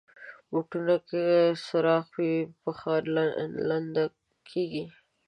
بوټونه که سوراخ وي، پښه لنده کېږي.